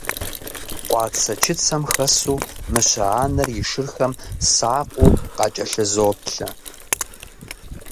Къуацэ-чыцэм хэсу мыщэ анэр и шырхэм сакъыу къакӀэлъызоплъэ.